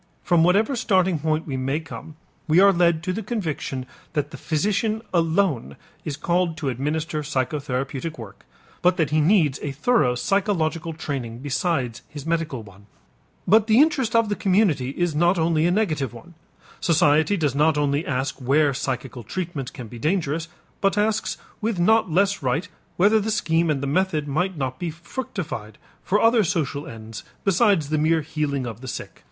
From whatever starting point we may come, we are led to the conviction that the physician alone is called to administer psychotherapeutic work, but that he needs a thorough psychological training besides his medical one. But the interest of the community is not only a negative one. Society does not only ask where psychical treatment can be dangerous, but asks with not less right whether the scheme and the method might not be fructified for other social ends besides the mere healing of the sick.